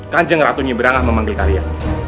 kanjeng ratunya berangah memanggil karyanya